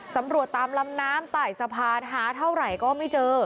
ตำรวจตามลำน้ำใต้สะพานหาเท่าไหร่ก็ไม่เจอ